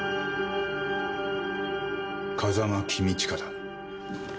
風間公親だ。